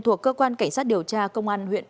thuộc cơ quan cảnh sát điều tra công an huyện